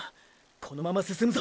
このまま進むぞ！！